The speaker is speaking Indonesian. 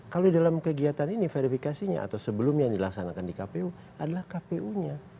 kalau di dalam kegiatan ini verifikasinya atau sebelum yang dilaksanakan di kpu adalah kpu nya